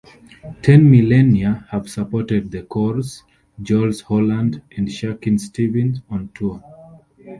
Ten Millennia have supported The Corrs, Jools Holland and Shakin' Stevens on tour.